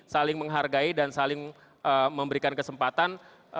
saling menghargai dan saling memberikan kesempatan